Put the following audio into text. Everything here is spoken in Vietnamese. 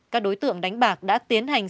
các đối tượng đánh bạc đã tiến hành